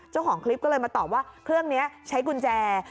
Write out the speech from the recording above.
เจ้าของคลิปก็เลยมาตอบว่าเครื่องนี้ใช้กุญแจ